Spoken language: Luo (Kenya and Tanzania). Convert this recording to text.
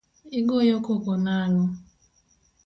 Igoyo koko nang'o?